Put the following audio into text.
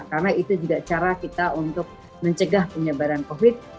karena itu juga cara kita untuk mencegah penyebaran covid